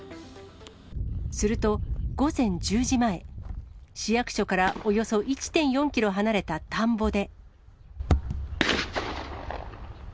すると、午前１０時前、市役所からおよそ１．４キロ離れた田んぼで。